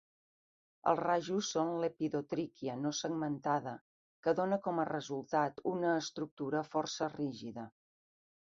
Els rajos són "lepidotrichia" no segmentada, que dona com a resultat una estructura força rígida.